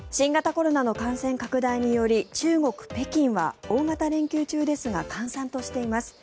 新型コロナの感染拡大により中国・北京は大型連休中ですが閑散としています。